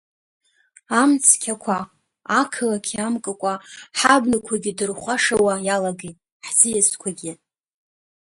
Амцқьақәа, ақалақь иамкыкәа, ҳабнақәагьы дырхәашауа иалагеит, ҳӡиасқәагьы…